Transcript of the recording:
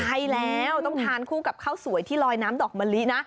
ใช่แล้วต้องทานคู่กับข้าวสวยที่ลอยน้ำดอกมะลินะ